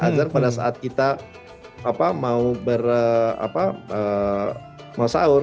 agar pada saat kita mau sahur